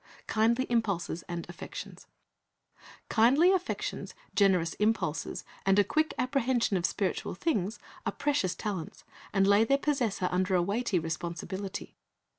KINDLY IMPULSES AND AFFECTIONS Kindly affections, generous impulses, and a quick appre hension of spiritual things, are precious talents, and lay their possessor under a weighty responsibility.